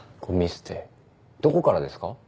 ごみ捨てどこからですか？